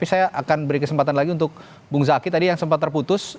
saya akan beri kesempatan lagi untuk bung zaki tadi yang sempat terputus